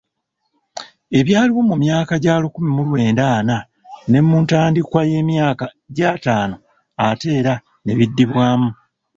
Ebyaliwo mu myaka gya lukumi mu lwenda ana ne mu ntandikwa y’emyaka gy’ataano ate era n’ebiddibwamu.